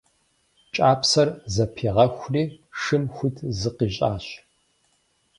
Кӏапсэр зэпигъэхури шым хуит зыкъищӏащ.